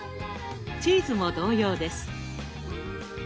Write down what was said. チーズも同様です。